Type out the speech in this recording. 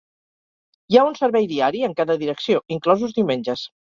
Hi ha un servei diari en cada direcció, inclosos diumenges.